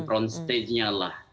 front stage nya lah